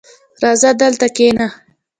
• راځه، دلته کښېنه.